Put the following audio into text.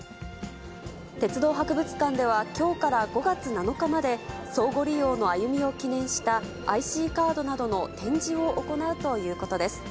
鉄道博物館では、きょうから５月７日まで、相互利用のあゆみを記念したＩＣカードなどの展示を行うということです。